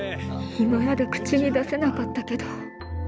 今まで口に出せなかったけど。